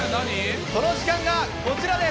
その時間がこちらです。